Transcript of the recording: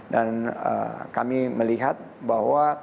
dan kami melihat bahwa